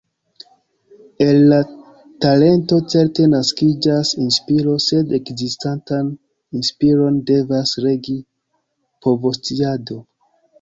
El la talento certe naskiĝas inspiro, sed ekzistantan inspiron devas regi povosciado.